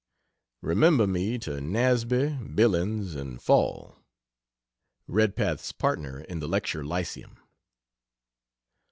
Remember me to Nasby, Billings and Fall. [Redpath's partner in the lecture lyceum.